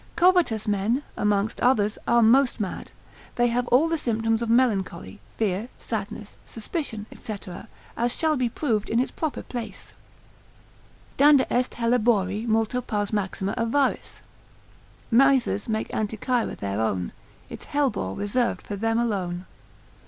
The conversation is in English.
Covetous men, amongst others, are most mad, they have all the symptoms of melancholy, fear, sadness, suspicion, &c., as shall be proved in its proper place, Danda est Hellebori multo pars maxima avaris. Misers make Anticyra their own; Its hellebore reserved for them alone.